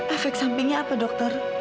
efek sampingnya apa dokter